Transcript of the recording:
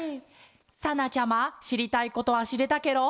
さなちゃましりたいことはしれたケロ？